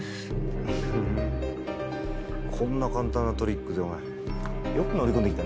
ふんこんな簡単なトリックでよく乗り込んで来たね。